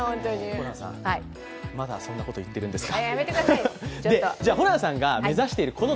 ホランさん、まだそんなこと言っているんですか。